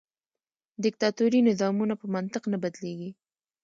دیکتاتوري نظامونه په منطق نه بدلیږي.